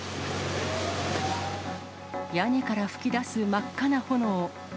屋根から噴き出す真っ赤な炎。